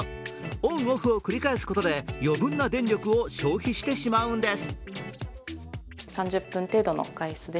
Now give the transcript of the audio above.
オン・オフを繰り返すことで余分な電力を消費してしまうんです。